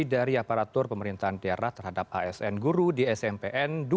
dari aparatur pemerintahan daerah terhadap asn guru di smpn